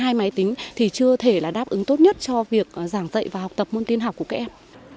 trong lượng một mươi hai máy tính thì chưa thể là đáp ứng tốt nhất cho việc giảng dạy và học tập môn tin học của các em